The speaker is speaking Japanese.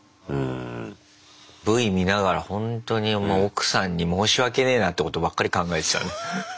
Ｖ見ながらほんとに奥さんに申し訳ねえなってことばっかり考えてたね。